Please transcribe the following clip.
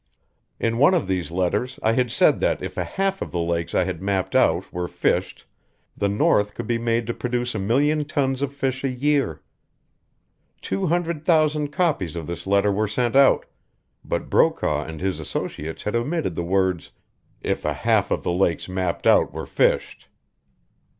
In one of these letters I had said that if a half of the lakes I had mapped out were fished the north could be made to produce a million tons of fish a year. Two hundred thousand copies of this letter were sent out, but Brokaw and his associates had omitted the words, 'If a half of the lakes mapped out were fished.'